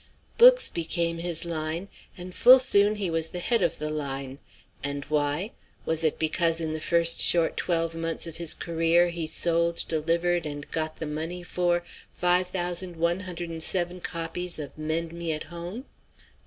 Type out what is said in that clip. Books became his line, and full soon he was the head of the line. And why? Was it because in the first short twelve months of his career he sold, delivered, and got the money for, 5107 copies of 'Mend me at Home'?